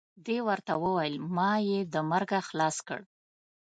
دې ورته وویل ما یې د مرګه خلاص کړ.